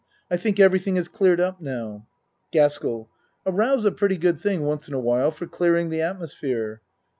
I think everything is cleared up now. GASKELL A row's a pretty good thing once in a while for clearing the atmosphere.